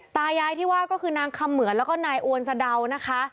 ตายายที่ว่าก็คือนางคำเหมือนแล้วก็นายอวนสะเดานะคะ